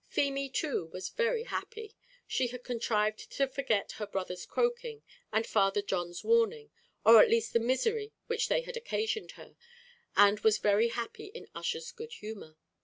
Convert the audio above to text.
Feemy too was very happy; she had contrived to forget her brother's croaking and Father John's warning, or at least the misery which they had occasioned her, and was very happy in Ussher's good humour.